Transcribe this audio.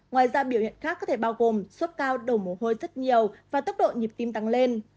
ngoài ra biểu hiện khác có thể bao gồm sốt cao đổ mồ hôi rất nhiều và tốc độ nhịp tim tăng lên